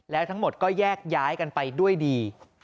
แล้วทั้งหมดก็แยกย้ายกันไปด้วยดี